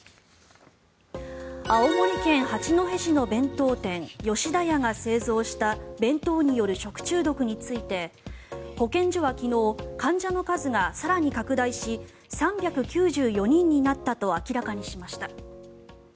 青森県八戸市の弁当店吉田屋が製造した弁当による食中毒について保健所は昨日患者の数が更に拡大し３９４人になったと明らかにしました。